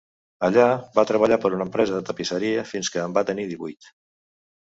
Allà, va treballar per una empresa de tapisseria fins que en va tenir divuit.